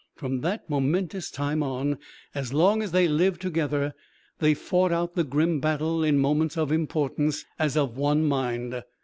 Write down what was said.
From that momentous time on, as long as they lived together, they fought out the grim battle in moments of importance, as of one mind.